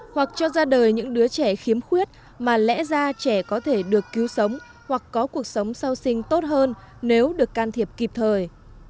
hoặc cho ra đời những đứa trẻ khiếm khuyết mà lẽ ra trẻ có thể được cứu sống hoặc có cuộc sống sau sinh tốt hơn nếu được can thiệp kịp thời